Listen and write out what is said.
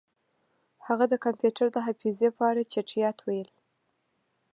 هغه د کمپیوټر د حافظې په اړه چټیات ویل